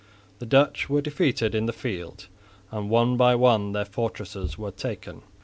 The Dutch were defeated in the field, and one by one their fortresses were taken.